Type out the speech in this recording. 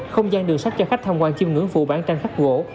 không gian đường sách cho khách tham quan chiêm ngưỡng phụ bán tranh khắc gỗ